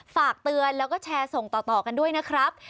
ฝากเตือนแล้วก็แชร์ส่งต่อกันด้วยนะครับ